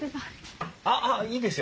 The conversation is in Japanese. あっいいですよ。